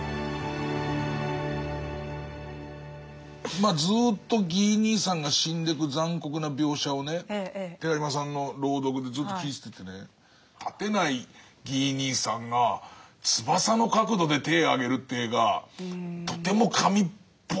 まあずっとギー兄さんが死んでく残酷な描写をね寺島さんの朗読でずっと聴いててね立てないギー兄さんが翼の角度で手あげるって絵がとても神っぽいんだよな